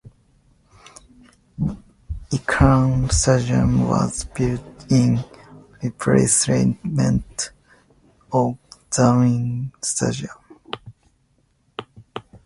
Icahn Stadium was built in replacement of Downing Stadium.